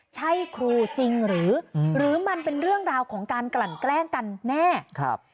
ใช่ครูจริงหรือหรือมันเป็นเรื่องราวของการกลั่นแกล้งกันแน่ครับ